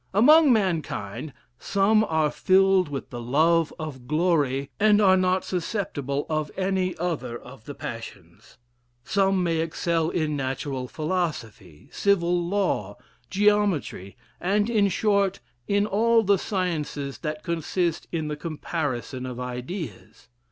Among mankind some are filled with the love of glory, and are not susceptible of any other of the passions: some may excel in natural philosophy, civil law, geometry, and, in short, in all the sciences that consist in the comparison of ideas.